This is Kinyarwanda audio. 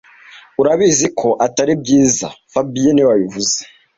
Urabizi ko atari byiza fabien niwe wabivuze